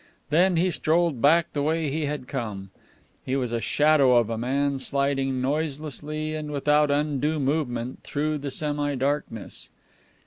Then he strolled back the way he had come. He was a shadow of a man sliding noiselessly and without undue movement through the semi darkness.